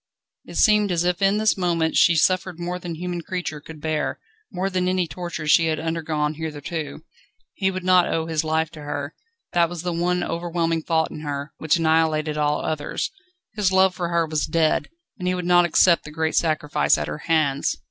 It seemed as if in this moment she suffered more than human creature could bear, more than any torture she had undergone hitherto. He would not owe his life to her. That was the one overwhelming thought in her, which annihilated all others. His love for her was dead, and he would not accept the great sacrifice at her hands.